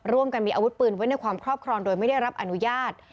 ร่วมกันมีอาวุธปืนไว้ในความครอบครองโดยไม่ได้รับอนุญาต